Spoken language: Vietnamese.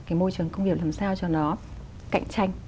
cái môi trường công việc làm sao cho nó cạnh tranh